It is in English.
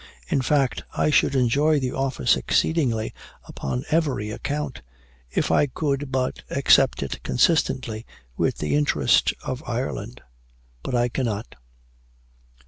In fact, I should enjoy the office exceedingly upon every account, if I could but accept it consistently with the interests of Ireland But I Cannot."